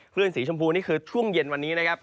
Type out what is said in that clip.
ื่นสีชมพูนี่คือช่วงเย็นวันนี้นะครับ